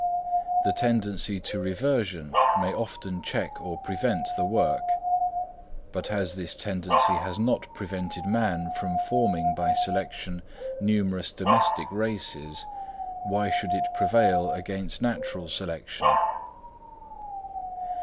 The tendency to reversion may often check or prevent the work; but as this tendency has not prevented man from forming by selection numerous domestic races, why should it prevail against natural selection?